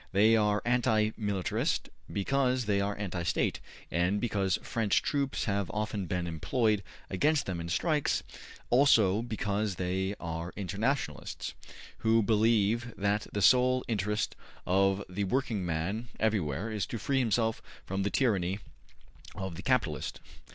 They are anti militarist because they are anti State, and because French troops have often been employed against them in strikes; also because they are internationalists, who believe that the sole interest of the working man everywhere is to free himself from the tyranny of the capitalist.